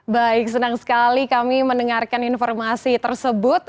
baik senang sekali kami mendengarkan informasi tersebut